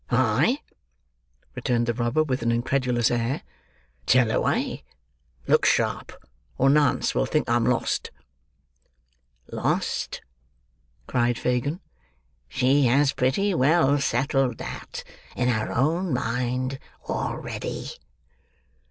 "Aye?" returned the robber with an incredulous air. "Tell away! Look sharp, or Nance will think I'm lost." "Lost!" cried Fagin. "She has pretty well settled that, in her own mind, already."